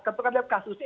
ketika lihat kasusnya